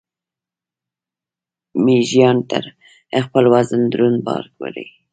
میږیان تر خپل وزن دروند بار وړي